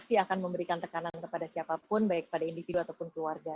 pasti akan memberikan tekanan kepada siapapun baik pada individu ataupun keluarga